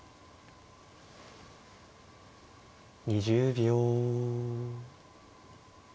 ２０秒。